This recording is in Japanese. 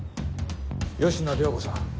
吉野涼子さん。